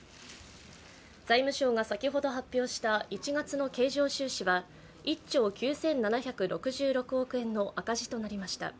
財務省が先ほど発表した１月の経常収支は１兆９７６６億円の赤字となりました。